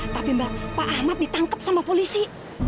tapi mbak pak ahmad ditangkep sama polisi